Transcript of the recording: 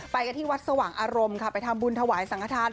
ไปกันที่วัดสว่างอารมณ์ค่ะไปทำบุญถวายสังฆฐาน